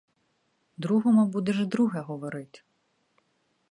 Другому будеш друге говорить.